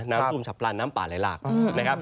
น้ำตุ้มฉับพลันน้ำป่าไหลลาก